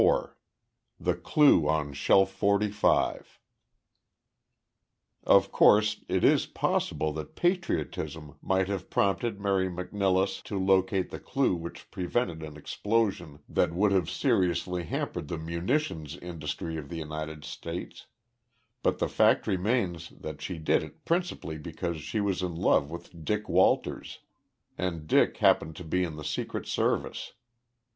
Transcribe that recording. IV THE CLUE ON SHELF 45 "Of course, it is possible that patriotism might have prompted Mary McNilless to locate the clue which prevented an explosion that would have seriously hampered the munitions industry of the United States but the fact remains that she did it principally because she was in love with Dick Walters, and Dick happened to be in the Secret Service.